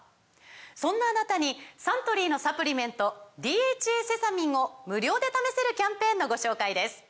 そんなあなたにサントリーのサプリメント「ＤＨＡセサミン」を無料で試せるキャンペーンのご紹介です